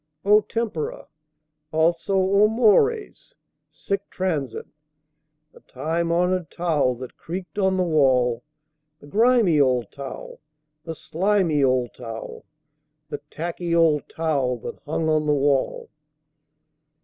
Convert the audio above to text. O tempora! Also, O mores! Sic transit The time honored towel that creaked on the wall. The grimy old towel, the slimy old towel, The tacky old towel that hung on the wall.